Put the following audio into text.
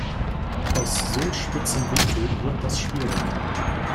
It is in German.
Aus so spitzem Winkel wird das schwierig.